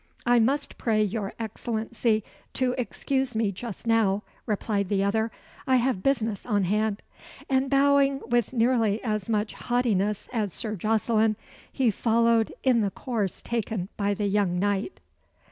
"I must pray your Excellency to excuse me just now," replied the other. "I have business on hand." And bowing with nearly as much haughtiness as Sir Jocelyn, he followed in the course taken by the young knight.